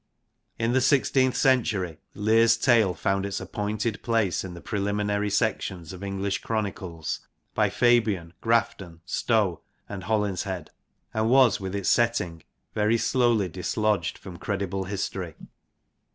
In the sixteenth century Lear's tale found its appointed place in the preliminary sections of English chronicles by Fabyan, Grafton, Stow and Holinshed, and was, with its setting, very slowly dislodged from credible history.